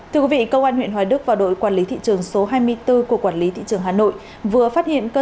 thưa quý vị công an huyện hòa đức và đội quản lý thị trường số hai mươi bốn của quản lý thị trường hà nội vừa phát hiện cơ sở kinh doanh mặt hàng của hà nội